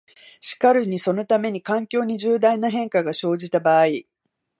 しかるにそのために、環境に重大な変化が生じた場合、